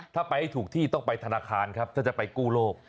ถ้าไปให้ถูกที่ต้องไปธนาคารครับถ้าจะไปกู้โลก